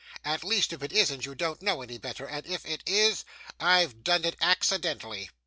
'At least, if it isn't, you don't know any better, and if it is, I've done it accidentally.